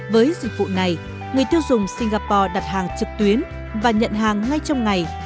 với dịch vụ này người tiêu dùng singapore đặt hàng trực tuyến và nhận hàng ngay trong ngày